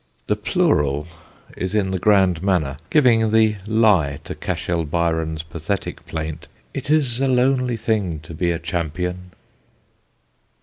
The plural is in the grand manner, giving the lie to Cashel Byron's pathetic plaint: It is a lonely thing to be a champion.